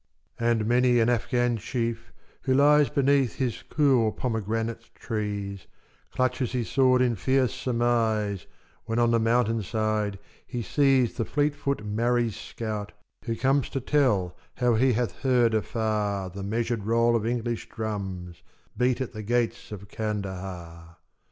And many an Afghan chief, who lies Beneath his cool pomegranate trees, Clutches his sword in fierce surmise When on the mountain side he sees The fleet foot Marri scout, who comes To tell how he hath heard afar The measured roll of English drums Beat at the gates of Kandahar.